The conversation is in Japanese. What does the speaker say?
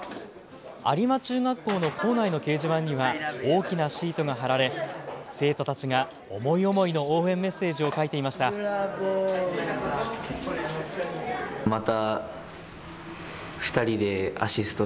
有馬中学校の校内の掲示板には大きなシートが貼られ生徒たちが思い思いの応援メッセージを書いていました。